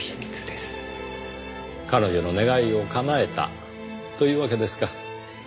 彼女の願いを叶えたというわけですか。